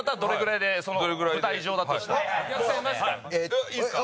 いいですか？